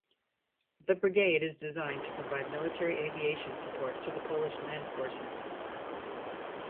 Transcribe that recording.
The brigade is designed to provide military aviation support to the Polish Land Forces.